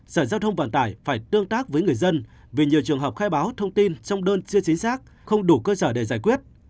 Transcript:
sở giao thông vận tải phải tương tác với người dân vì nhiều trường hợp khai báo thông tin trong đơn chưa chính xác không đủ cơ sở để giải quyết